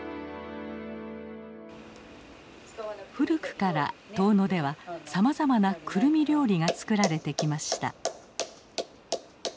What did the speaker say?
古くから遠野ではさまざまなクルミ料理が作られてきました。